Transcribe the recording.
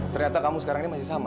ternyata kamu sekarang ini masih sama